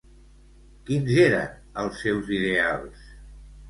Quins eren els seus ideals?